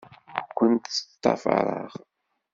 Ur kent-ttḍafareɣ.